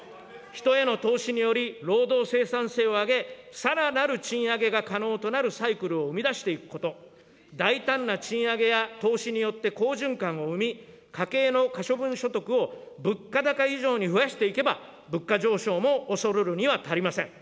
人への投資により、労働生産性を上げ、さらなる賃上げが可能となるサイクルを生み出していくこと、大胆な賃上げや投資によって好循環を生み、家計の可処分所得を物価高以上に増やしていけば、物価上昇もおそるるには足りません。